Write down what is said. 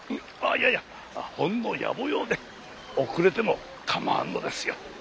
あっいやいやほんの野暮用で遅れても構わぬのですよ。